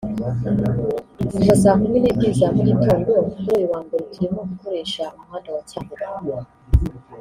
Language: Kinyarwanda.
“Kuva saa kumi n’ebyri za mu gitondo kuri uyu wa mbere turimo gukoresha umuhanda wa Cyangugu